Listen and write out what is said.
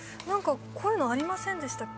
こういうのありませんでしたっけ？